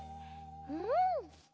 うん。